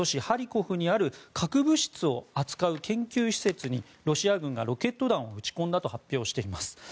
ハリコフにある核物質を扱う研究施設にロシア軍がロケット弾を撃ち込んだと発表しています。